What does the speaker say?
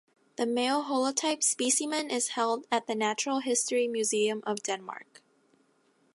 The male holotype specimen is held at the Natural History Museum of Denmark.